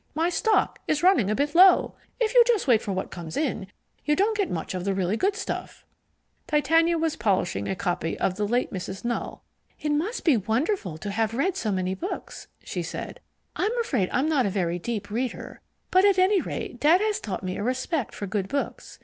My stock is running a bit low. If you just wait for what comes in, you don't get much of the really good stuff." Titania was polishing a copy of The Late Mrs. Null. "It must be wonderful to have read so many books," she said. "I'm afraid I'm not a very deep reader, but at any rate Dad has taught me a respect for good books.